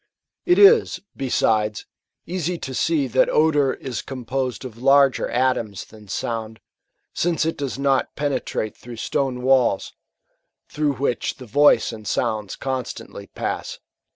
It is, besides, easy to see that odour is composed of larger atoms than sound ; since it does not penetrate through stone walls, through which the voice and sounds constantly pass.